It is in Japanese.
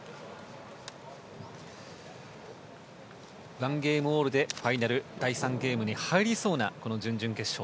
１ゲームオールでファイナル第３ゲームに入りそうな、この準々決勝。